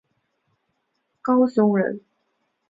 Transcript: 高雄人。